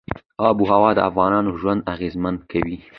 آب وهوا د افغانانو ژوند اغېزمن کوي.